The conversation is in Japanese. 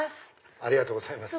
ありがとうございます。